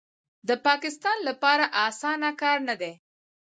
د پاکستان لپاره اسانه کار نه دی